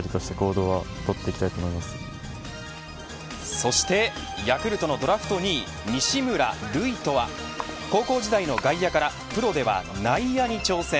そしてヤクルトのドラフト２位西村瑠伊斗は高校時代の外野からプロでは内野に挑戦。